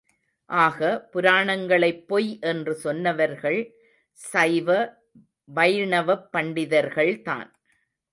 ஆக, புராணங்களைப் பொய் என்று சொன்னவர்கள் சைவ—வைணவப் பண்டிதர்கள் தான்.